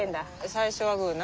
最初はグーな。